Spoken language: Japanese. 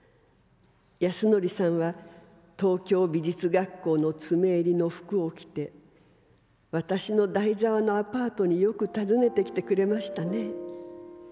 安典さんは東京美術学校の詰襟の服を着て私の代沢のアパートによく訪ねてきてくれましたね。